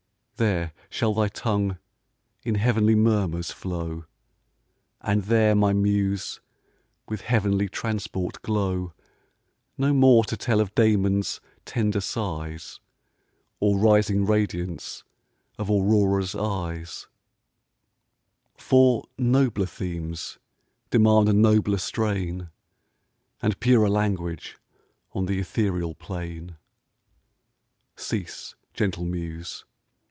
There shall thy tongue in heav'nly murmurs flow, And there my muse with heav'nly transport glow: No more to tell of Damon's tender sighs, Or rising radiance of Aurora's eyes, For nobler themes demand a nobler strain, And purer language on th' ethereal plain. Cease, gentle muse!